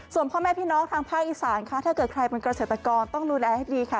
ส่วนพ่อแม่พี่น้องทางภาคอีสานค่ะถ้าเกิดใครเป็นเกษตรกรต้องดูแลให้ดีค่ะ